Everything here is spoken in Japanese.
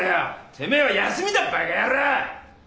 てめえは休みだバカヤロー。